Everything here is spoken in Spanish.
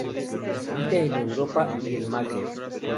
Habita en Europa y el Magreb.